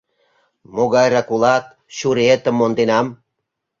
Могайрак улат, чуриетым монденам.